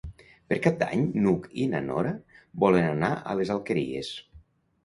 Per Cap d'Any n'Hug i na Nora volen anar a les Alqueries.